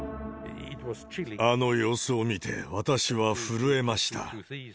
あの様子を見て、私は震えました。